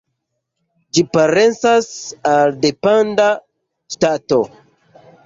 Ĝi parencas al dependa ŝtato.